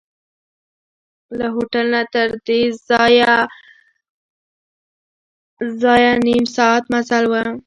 له هوټل نه تردې ځایه نیم ساعت مزل و.